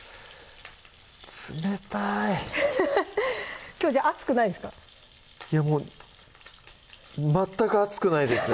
冷たいきょうじゃあ熱くないですかいやもう全く熱くないですよ